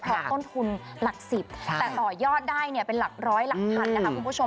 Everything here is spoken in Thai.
เพราะต้นทุนหลัก๑๐แต่ต่อยอดได้เป็นหลักร้อยหลักพันนะคะคุณผู้ชม